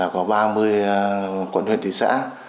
có ba mươi quận huyện tỉnh xã